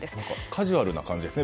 カジュアルな感じですね。